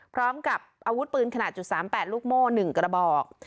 พร้อมกับอาวุธปืนขนาด๓๘ลูกโม่๑กระบอก